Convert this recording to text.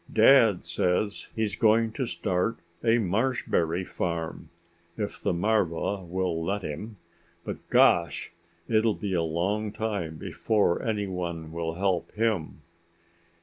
"Dad says he's going to start a marshberry farm if the marva will let him. But, gosh, it'll be a long time before anyone will help him."